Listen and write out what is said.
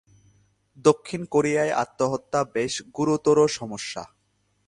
দক্ষিণ কোরিয়ায় আত্মহত্যা বেশ গুরুতর সমস্যা।